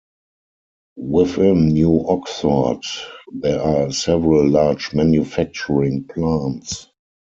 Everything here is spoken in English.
Within New Oxford there are several large manufacturing plants.